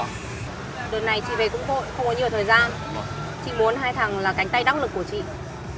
đợt này chị về cũng vội không có nhiều thời gian